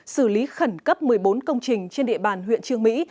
xử lý khẩn cấp một mươi bốn công trình trên địa bàn huyện trương mỹ